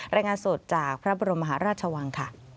รายงานสดจากพระบรมมหาราชวังค่ะ